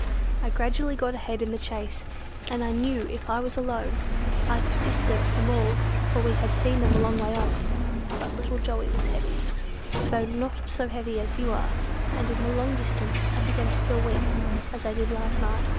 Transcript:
I gradually got ahead in the chase, and I knew if I were alone I could distance them all; for we had seen them a long way off. But little Joey was heavy, though not so heavy as you are, and in the long distance I began to feel weak, as I did last night.